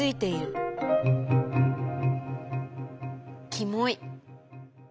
キモい。